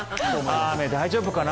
雨大丈夫かな？